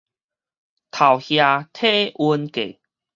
頭額體溫計